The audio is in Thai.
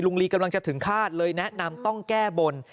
ลีกำลังจะถึงฆาตเลยแนะนำต้องแก้บน